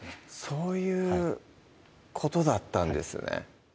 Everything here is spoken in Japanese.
そういうことだったんですね